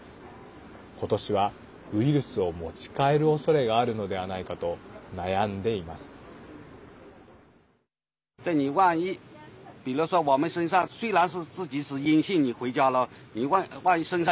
今年はウイルスを持ち帰るおそれがあるのではないかと悩んでいます。